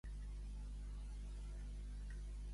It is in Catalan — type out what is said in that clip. Amb quin altre personatge el relaciona Pausànies?